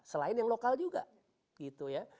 selain yang lokal juga gitu ya